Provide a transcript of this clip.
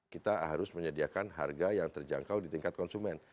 kita harus menyediakan harga yang terjangkau di tingkat konsumen